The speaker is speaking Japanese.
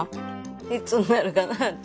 いつになるかなって。